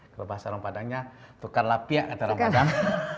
kalau bahasa lompatangnya tukar lapiak antara lompatang